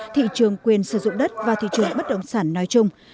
thị trường quyền sử dụng đất và thị trường bất động sản nói chung